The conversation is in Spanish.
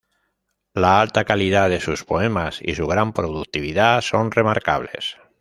La alta calidad de sus poemas y su gran productividad son remarcables.